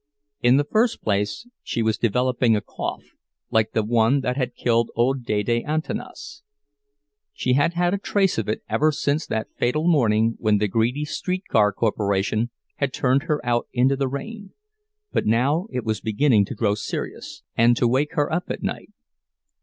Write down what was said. In the first place she was developing a cough, like the one that had killed old Dede Antanas. She had had a trace of it ever since that fatal morning when the greedy streetcar corporation had turned her out into the rain; but now it was beginning to grow serious, and to wake her up at night.